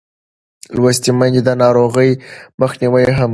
لوستې میندې د ناروغۍ مخنیوی مهم ګڼي.